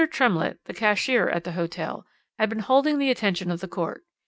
Tremlett, the cashier at the hotel, had been holding the attention of the court.